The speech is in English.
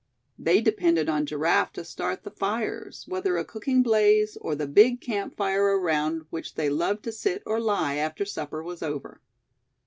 They depended on Giraffe to start the fires, whether a cooking blaze or the big camp fire around which they loved to sit or lie, after supper was over.